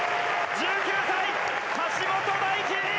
１９歳、橋本大輝